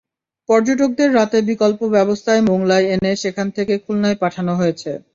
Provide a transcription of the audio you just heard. পর্যটকদের রাতে বিকল্প ব্যবস্থায় মোংলায় এনে সেখান থেকে খুলনায় পাঠানো হয়েছে।